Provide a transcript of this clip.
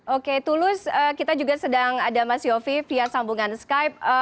oke tulus kita juga sedang ada mas yofi via sambungan skype